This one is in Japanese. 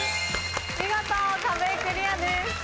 見事壁クリアです。